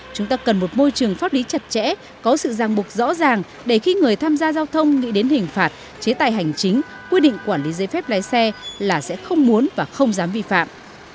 chúng ta cần một môi trường pháp lý chặt chẽ có sự giang bục rõ ràng để khi người tham gia giao thông nghĩ đến hình phạt chế tài hành chính quy định quản lý giấy phép lái xe là sẽ không muốn và không dám vi phạm